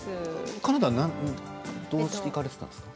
カナダはどうして行かれていたんですか。